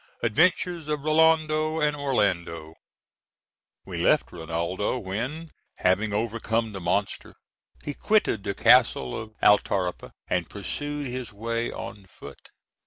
ADVENTURES OF RINALDO AND ORLANDO We left Rinaldo when, having overcome the monster, he quitted the castle of Altaripa, and pursued his way on foot.